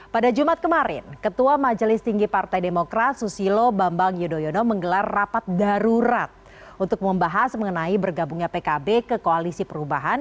pada jumat kemarin ketua majelis tinggi partai demokrat susilo bambang yudhoyono menggelar rapat darurat untuk membahas mengenai bergabungnya pkb ke koalisi perubahan